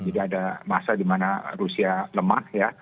jadi ada masa di mana rusia lemah ya